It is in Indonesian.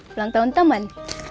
pelang tahun teman